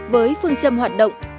với phương châm hoạt động